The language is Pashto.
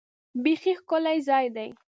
بیخي ښکلی ځای دی .